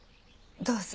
どうぞ。